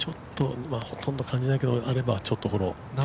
ほとんど感じないけど、あればちょっとフォロー。